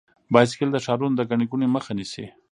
بایسکل د ښارونو د ګڼې ګوڼې مخه نیسي.